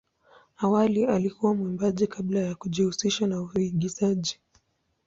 Awali alikuwa mwimbaji kabla ya kujihusisha na uigizaji.